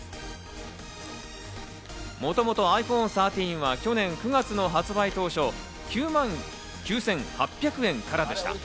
もともとｉＰｈｏｎｅ１３は去年９月の発売当初、９万９８００円からでした。